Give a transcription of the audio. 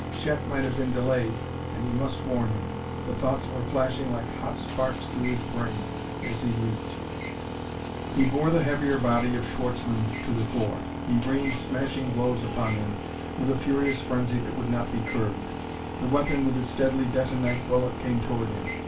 Chet might have been delayed, and he must warn him.... The thoughts were flashing like hot sparks through his brain as he leaped. He bore the heavier body of Schwartzmann to the floor. He rained smashing blows upon him with a furious frenzy that would not be curbed. The weapon with its deadly detonite bullet came toward him.